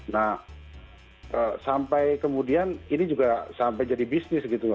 nah sampai kemudian ini juga sampai jadi bisnis gitu loh